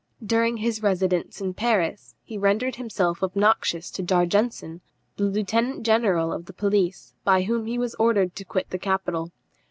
During his residence in Paris he rendered himself obnoxious to D'Argenson, the lieutenant general of the police, by whom he was ordered to quit the capital.